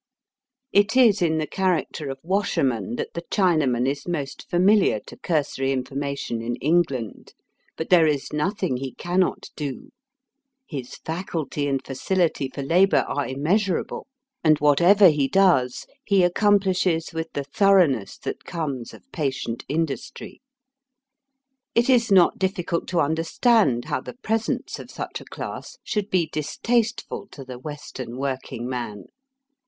It is in the character of washerman that the Chinaman is most familiar to cursory information in England. But there is nothing he cannot do. His faculty and facility for labour are immeasurable, and whatever he Digitized by VjOOQIC nC9aVIHHS!99B99IBnBB 134 EAST BY WEST. does he accomplishes with the thoroughness that comes of patient industry. It is not difficult to understand how the presence of such a class should be distasteful to the Western working man.